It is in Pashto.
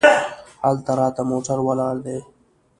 هلته راته موټر ولاړ دی.